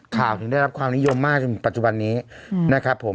ถึงได้รับความนิยมมากจนปัจจุบันนี้นะครับผม